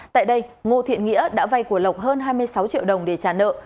tại đây ngô thiện nghĩa đã vay của lộc hơn hai mươi sáu triệu đồng để trả nợ